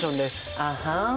あはん？